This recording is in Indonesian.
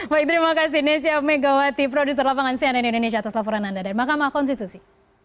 baik terima kasih nesya megawati produser lapangan cnn indonesia atas laporan anda dari mahkamah konstitusi